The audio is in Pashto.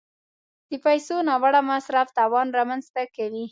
د پیسو ناوړه مصرف تاوان رامنځته کوي.